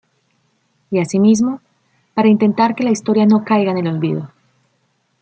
Y asimismo, para intentar que la historia no caiga en el olvido.